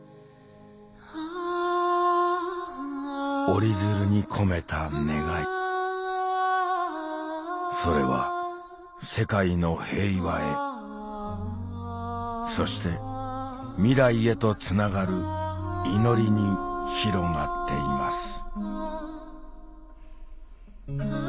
折り鶴に込めた願いそれは世界の平和へそして未来へとつながる祈りに広がっています